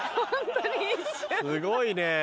すごいね。